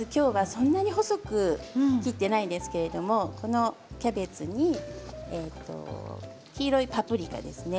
そんなに細く切っていないんですけどこのキャベツに黄色いパプリカですね。